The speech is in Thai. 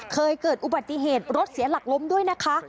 เคยเกิดอุบัติเหตุรถเสียหลักล้มด้วยนะคะ